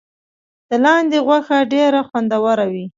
د لاندي غوښه ډیره خوندوره وي.